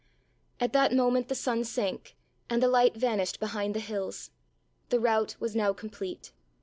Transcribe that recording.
At that moment the sun sank and the light vanished behind the hills. The rout was now complete.